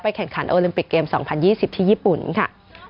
แข่งขันโอลิมปิกเกม๒๐๒๐ที่ญี่ปุ่นค่ะ